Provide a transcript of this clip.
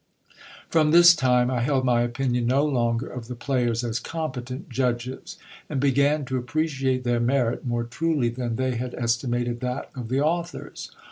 ^Trom this time I held my opinion no longer of the players as competent judges, and began to appreciate their merit more truly than they had estimated that of the authors.